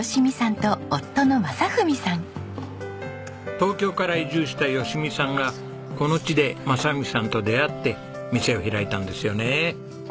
東京から移住した吉美さんがこの地で正文さんと出会って店を開いたんですよね。